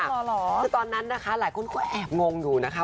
คือตอนนั้นนะคะหลายคนก็แอบงงอยู่นะคะ